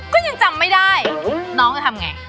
ก็ยังจำไม่ได้น้องจะทำไง